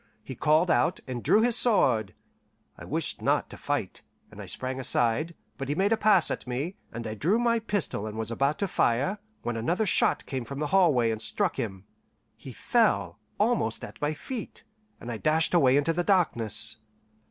He called out, and drew his sword. I wished not to fight, and I sprang aside; but he made a pass at me, and I drew my pistol and was about to fire, when another shot came from the hallway and struck him. He fell, almost at my feet, and I dashed away into the darkness.